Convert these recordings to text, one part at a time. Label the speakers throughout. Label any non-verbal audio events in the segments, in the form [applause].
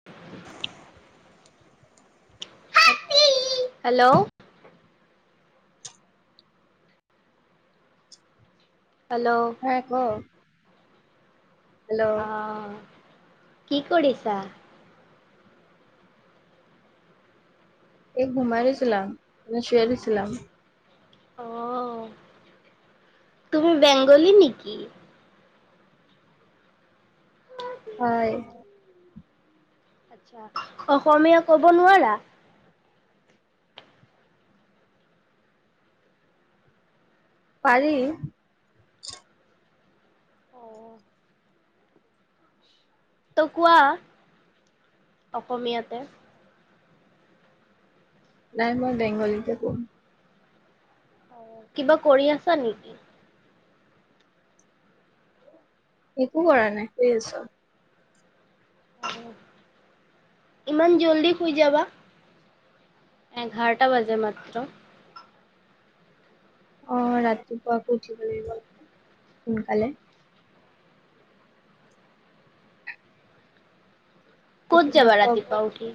Speaker 1: [unintelligible]
Speaker 2: [inaudible]
Speaker 1: Hello! Hello!
Speaker 2: অ ক।
Speaker 1: অ কি কৰিছা?
Speaker 2: এই গুমাই গৈছলাম, [unintelligible]
Speaker 1: অ তুমি বেংগলী নেকি?
Speaker 2: হয়।
Speaker 1: অসমীয়া ক'ব নোৱাৰা?
Speaker 2: পাৰি।
Speaker 1: অ'। তো কোৱা অসমীয়াতে।
Speaker 2: নাই মই বেংগলীতে কম।
Speaker 1: কিবা কৰি আছা নেকি?
Speaker 2: একো কৰা নাই শুই আছো।
Speaker 1: ইমান জল্দি শুই যাবা? এঘাৰটা বাজে মাত্ৰ।
Speaker 2: অ', ৰাতিপুৱা আকৌ উঠি বৈ লাগিব নহয় সোনকালে।
Speaker 1: ক'ত
Speaker 2: আপোনাৰ
Speaker 1: যাবা
Speaker 2: খোৱা বোৱা
Speaker 1: ৰাতিপুৱা
Speaker 2: খালে?
Speaker 1: উঠি?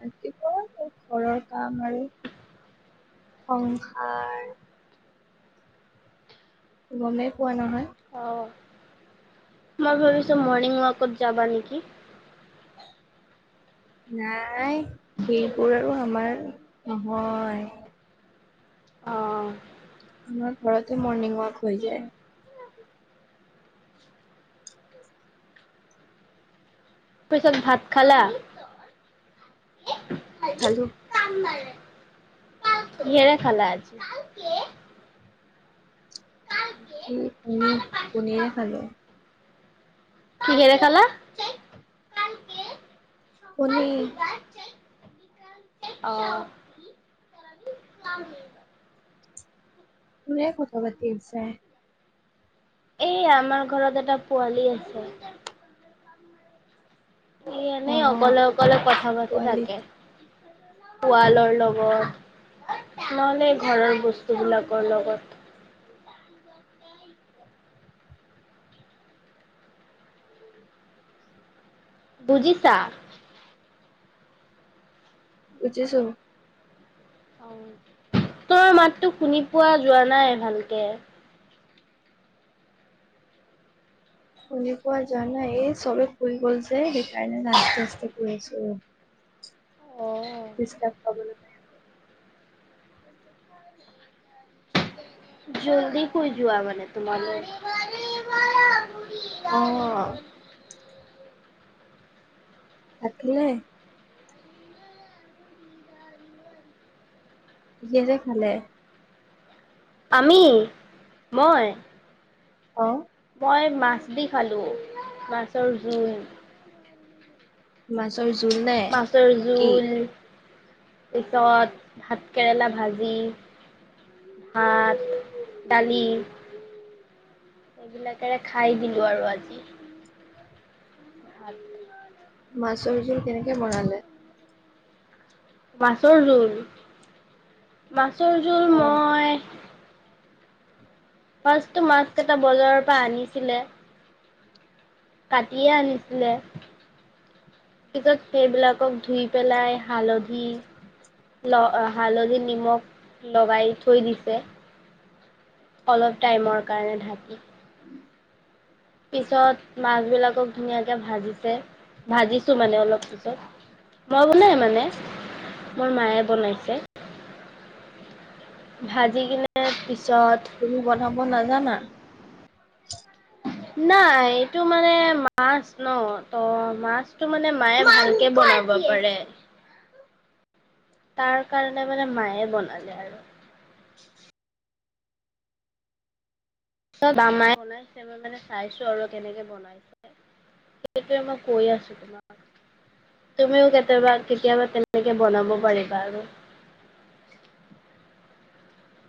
Speaker 2: ৰাতিপুৱা ঘৰৰ কাম আৰু সংসাৰ গমেই পোৱা নহয়?
Speaker 1: অ'। মই ভাবিছো মৰ্ণিং ৱাকত যাবা নেকি?
Speaker 2: নাই সেইবোৰ আৰু আমাৰ নহয়।
Speaker 1: অঁ
Speaker 2: আমাৰ ঘৰতেই মৰ্ণিং ৱাক হৈ যায়।
Speaker 1: তাৰ পিছত ভাত খালা?
Speaker 2: খালো।
Speaker 1: [unintelligible] কিহেৰে খালা আজি?
Speaker 2: আজি পনীৰ পনীৰে খালো।
Speaker 1: কিহেৰে খালা?
Speaker 2: পনি।
Speaker 1: অ'। [unintelligible]
Speaker 2: কোনে কথা পাতি আছে?
Speaker 1: এই আমাৰ ঘৰত এটা পোৱালি আছে। সি
Speaker 2: অ
Speaker 1: এনেই অকলে অকলে কথা পাতি
Speaker 2: পোৱালি
Speaker 1: থাকে। ওৱালৰ লগত, নহ'লে ঘৰৰ বস্তুবিলাকৰ লগত বুজিছা?
Speaker 2: বুজিছো।
Speaker 1: ত' মাতটো শুনি পোৱা যোৱা নাই ভালকে?
Speaker 2: শুনি পোৱা যোৱা নাই? এই চবেই শুই গ'ল যে সেইকাৰণে আস্তে আস্তে কৈ আছো।
Speaker 1: অ'।
Speaker 2: ডিষ্টাব পাবলে নাই।
Speaker 1: জল্দি শুই যোৱা মানে তোমালোক?
Speaker 2: অ'। ভাত খালে? কিহেৰে খালে?
Speaker 1: আমি, মই।
Speaker 2: অ'।
Speaker 1: মই মাছ দি খালোঁ, মাছৰ জোল।
Speaker 2: মাছৰ জোল নে
Speaker 1: মাছৰ
Speaker 2: কি?
Speaker 1: জোল পিছত ভাত কেৰেলা ভাজি ভাত দালি এইবিলাকেৰে খাই দিলো আৰু আজি। ভাত
Speaker 2: মাছৰ জোল কেনেকে বনালে?
Speaker 1: মাছৰ জোল? মাছৰ জোল
Speaker 2: অ'।
Speaker 1: হয়। ফাৰ্ষ্টটো মাছ কেইটা বজাৰৰ পৰা আনিছিলে কাটিয়ে আনিছিলে। পিছত সেইবিলাকক ধুই পেলাই হালধি ল হালধি নিমখ লগাই থৈ দিছে। অলপ টাইমৰ কাৰণে ঢাকি পিছত মাছ বিলাকক ধুনীয়াকে ভাজিছে। ভাজিছো মানে অলপ পিছত, মই বনাই মানে মোৰ মায়ে বনাইছে। ভাজি কিনে পিছত
Speaker 2: তুমি বনাব নাজানা?
Speaker 1: নাই এইটো মানে মাছ ন, ত মাছটো মানে মায়ে ভালকে বনাব ব পাৰে, তাৰ কাৰণে মানে মায়ে বনালে আৰু। মাই বনাইছে মই মানে চাইছো আৰু কেনেকে বনাই। সেইটোৱে মই কৈ আছো তোমাক। তুমিও কেতিয়াবা কেতিয়াবা তেনেকে বনাব পাৰিবা আৰু।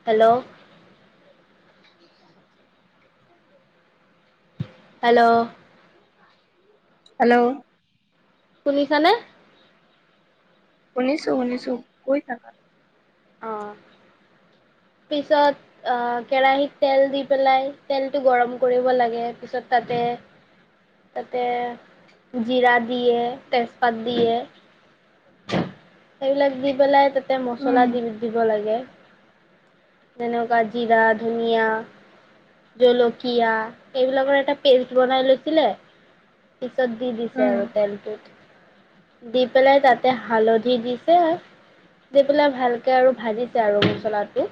Speaker 1: হেল্ল। হেল্ল।
Speaker 2: হেল্ল।
Speaker 1: শুনিছানে?
Speaker 2: শুনিছো শুনিছো, কৈ থাকা।
Speaker 1: অঁ। পিছত অহ কেৰাহিত তেল দি পেলাই, তেলটো গৰম কৰিব লাগে পিছত তাতে তাতে জিৰা দিয়ে, তেজপাত দিয়ে। সেইবিলাক দি পেলাই তাতে মছলা
Speaker 2: উম
Speaker 1: দি দিব লাগে। তেনকা জিৰা, ধনীয়া জলকীয়া সেইবিলাকৰ এটা পেষ্ট বনাই লৈছিলে পিছত দি দিছে
Speaker 2: উম
Speaker 1: আৰু তেলটো। দি পেলাই তাতে হালধি দিছে দি পেলাই ভালকে আৰু ভাজিছে আৰু মছলাটো,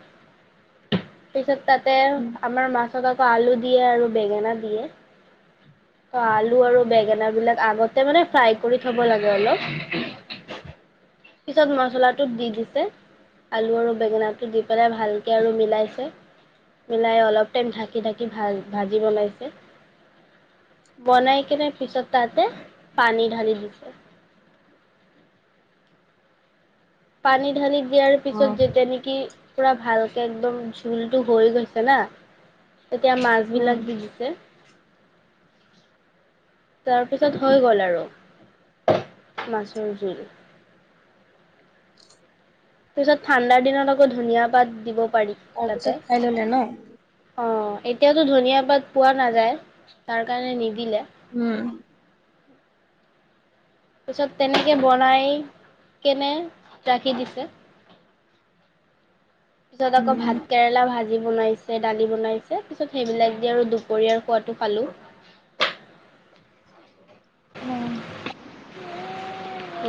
Speaker 1: পিছত তাতে
Speaker 2: উম
Speaker 1: আমাৰ মাছত আকৌ আলু দিয়ে আৰু বেঙেনা দিয়ে। অ আলু আৰু বেঙেন বিলাক আগতে মানে ফ্ৰাই কৰি থব লাগে অলপ। পিছত মছলাটো দি দিছে। আলু আৰু বেঙেনাটো দি পেলাই ভালকে আৰু মিলাইছে। মিলাই অলপ টাইম ঢাকি ঢাকি ভা ভাজি বনাইছে। বনাই কিনে পিছত তাতে পানী ঢালি দিছে। পানী ঢালি দিয়াৰ
Speaker 2: অ
Speaker 1: পিছত যেতিয়া নেকি পোৰা ভালকে একদম ঝোলটো হৈ গৈছে না, তেতিয়া মাছ
Speaker 2: উম
Speaker 1: বিলাক দি দিছে। তাৰপিছত হৈ গ'ল আৰু মাছৰ জোল। পিছত ঠাণ্ডাৰ দিনত আকৌ ধনীয়া পাত দিব পাৰি।
Speaker 2: তাৰপিছত খায় ললে ন?
Speaker 1: অঁ এতিয়াতো ধনীয়া পাত পোৱা নাযায়, তাৰ কাৰণে নিদিলে।
Speaker 2: উম।
Speaker 1: পিছত তেনেকে বনাই কেনে ৰাখি দিছে। পিছত আকৌ
Speaker 2: উম
Speaker 1: ভাত কেৰেলা ভা জি বনাইছে দালি বনাইছে, পিছত সেইবিলাক দি আৰু দুপৰীয়াৰ খোৱাটো খালোঁ।
Speaker 2: অ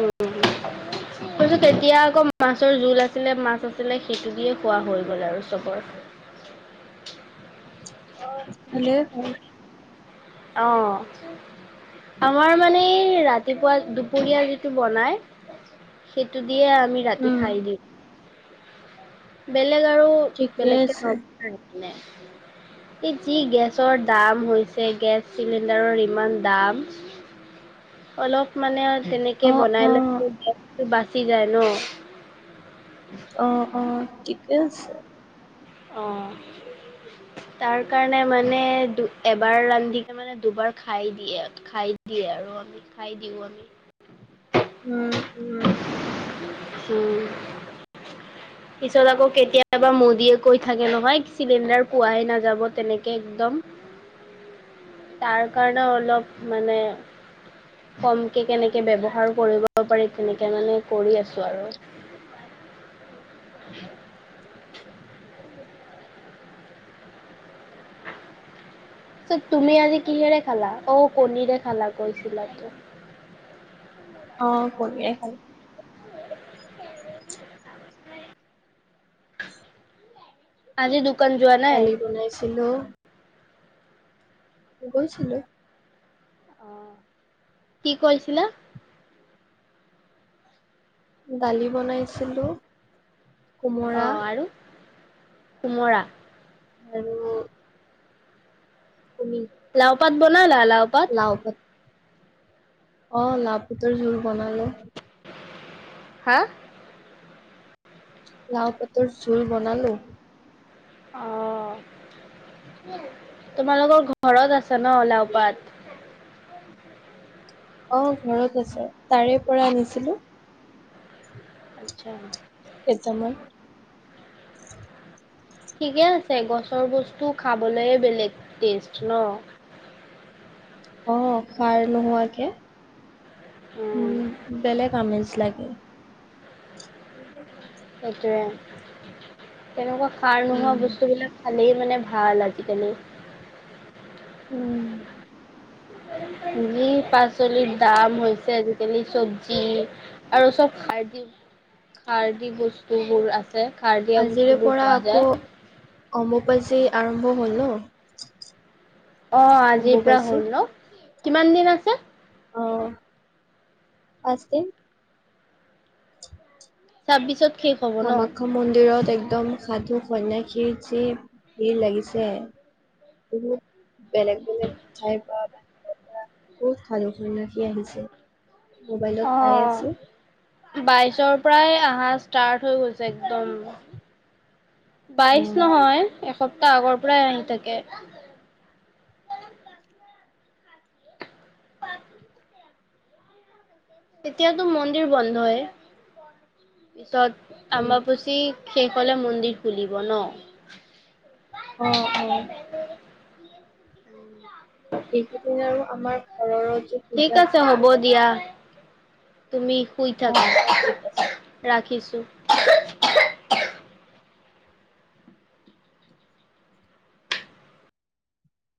Speaker 1: উম আৰু তেতিয়া আকৌ মাছৰ জোল আছিলে মাছ আছিলে সেইটো দিয়ে খোৱা হৈ গ'ল আৰু চবৰ
Speaker 2: অ ভালে হল
Speaker 1: অঁ আমাৰ মানে এই ৰাতিপুৱা দুপৰীয়া যিটো বনাই সেইটো দিয়ে আমি ৰাতি
Speaker 2: উম
Speaker 1: খাই দি, বেলেগ আৰু
Speaker 2: ঠিকেই
Speaker 1: বেলেগকে
Speaker 2: আছে
Speaker 1: ন এই কি গেছৰ দাম হৈছে গেছ চিলিণ্ডাৰৰ ইমান দাম অলপ মানে আউ তেনেকে
Speaker 2: অ',
Speaker 1: বনাই
Speaker 2: অ',
Speaker 1: লৈছো টেক্সটো বাচি যায় ন
Speaker 2: অঁ অঁ ঠিকে আছে।
Speaker 1: অঁ তাৰ কাৰণে মানে দু এবাৰ ৰান্ধিকে মানে দুবাৰ খাই দিয়ে। খাই দিয়ে আৰু আমি খাই দিওঁ আমি।
Speaker 2: উম উম
Speaker 1: উম পিছত আকৌ কেতিয়াবা মোদীয়ে কৈ থাকে নহয় চিলিণ্ডাৰ পোৱাই নাযাব তেনেকে একদম তাৰ কাৰণেও অলপ মানে কমকে কেনেকে ব্যৱহাৰ কৰিব পাৰি তেনেকে মানে কৰি আছো আৰু [unintelligible] চত তুমি আজি কিহেৰে খালা অ কণীৰে খালা কৈছিলা তো
Speaker 2: অ কণীয়ে খালোঁ। [inaudible]
Speaker 1: আজি দোকান যোৱাৰ
Speaker 2: দালি বনাইছিলো গৈছিলো
Speaker 1: অ কি কৈছিলা?
Speaker 2: দালি বনাইছিলো
Speaker 1: অ
Speaker 2: কোমোৰা
Speaker 1: আৰু কোমৰা
Speaker 2: আৰু কোনি
Speaker 1: লাও পাত বনালা লাও
Speaker 2: লাও পাত অ লাওঁ পাতৰ জোল বনালো
Speaker 1: হা
Speaker 2: লাও পাতৰ জোল বনালো
Speaker 1: অ তোমালোকৰ ঘৰত আছে ন লাওঁপাত
Speaker 2: অ ঘৰত আছে তাৰে পৰা আনিছিলো
Speaker 1: আচ্ছা
Speaker 2: কেইতামান
Speaker 1: ঠিকে আছে গছৰ বস্তু খাবলে বেলেগ টেষ্ট ন
Speaker 2: অ খাৰ নোহোৱাকে উ
Speaker 1: উম
Speaker 2: বেলেগ আমেজ লাগে
Speaker 1: তাকে তেনেকুৱা খাৰ নোহোৱা
Speaker 2: উম,
Speaker 1: বস্তুবিলাক খালেই মানে ভাল আজিকালি
Speaker 2: উম।
Speaker 1: যি পাচলিৰ দাম হৈছে, আজিকালি চব্জি আৰু চব সাৰৰ্দি সাৰৰ্দি বস্তুবোৰ আ ছে সাৰ দিয়া বস্তু বোৰ পোৱা যায়।
Speaker 2: অম্বুপাচী আৰম্ভ হ'ল ন।
Speaker 1: অঁ আজিৰ পৰা
Speaker 2: অম্বুবাচী।
Speaker 1: হ'ল ন, কিমান দিন আছে?
Speaker 2: অঁ, পাঁচ দিন।
Speaker 1: তাপিছত শেষ হব। ন?
Speaker 2: কামাখ্যা মন্দিৰত একদম সাধু সন্ন্যাসী যি ভিৰ লাগিছে। বহুত বেলেগ বেলেগ ঠাইৰ পৰা‍, বহুত ভাল সন্যাসী আহিছে, মোবাইলত পাই
Speaker 1: অ',
Speaker 2: আছো।
Speaker 1: বাইশৰ পৰাই অহা ষ্টাৰ্ট হৈ গৈছে একদম। বাইশ
Speaker 2: উম
Speaker 1: নহয়, এসপ্তাহ আগৰ পৰাই আহি থাকে। তেতিয়াতো মন্দিৰ বন্ধ হয়, পিছত
Speaker 2: উম
Speaker 1: আম্বাবাচি শেষ হলে মন্দিৰ খুলিব ন।
Speaker 2: অঁ অঁ। এইকেইদিন আৰু আমাৰ ঘৰৰ যে
Speaker 1: ঠিক
Speaker 2: পূজা
Speaker 1: আছে
Speaker 2: ভাগ
Speaker 1: হ'ব
Speaker 2: সেই পূজা
Speaker 1: দিয়া,
Speaker 2: ভাগ
Speaker 1: তুমি শুই থাকা
Speaker 2: অ ঠিক আছে
Speaker 1: ৰাখিছো।